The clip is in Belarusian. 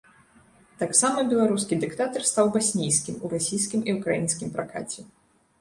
Таксама беларускі дыктатар стаў баснійскім у расійскім і ўкраінскім пракаце.